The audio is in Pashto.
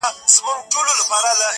راته بدي یې ښکاریږي کږې غاړي!.